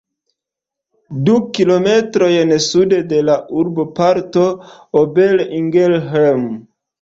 Du kilometrojn sude de la urboparto Ober-Ingelheim.